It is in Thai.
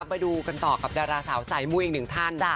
ไปดูกันต่อกับดาราสาวสายมุ้ยอีกหนึ่งท่าน